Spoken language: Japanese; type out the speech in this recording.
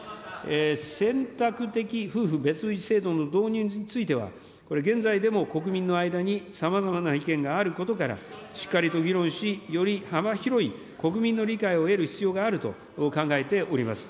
選択的夫婦別氏制度の導入については、これ、現在でも国民の間にさまざまな意見があることから、しっかりと議論し、より幅広い国民の理解を得る必要があると考えております。